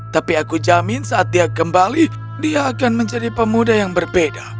tapi aku jamin saat dia kembali dia akan menjadi pemuda yang berbeda